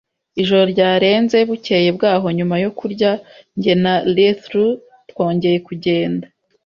Ijoro ryarenze, bukeye bwaho, nyuma yo kurya, Jye na Redruth twongeye kugenda